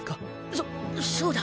そそうだ。